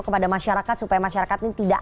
kepada masyarakat supaya masyarakat ini tidak